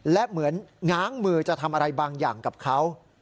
และเหมือนง้างมือจะทำอะไรบางอย่างกับเขา